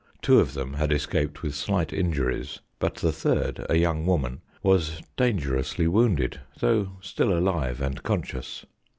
Two of them had escaped with slight injuries, but the third, a young woman, was dangerously wounded, though still alive and conscious.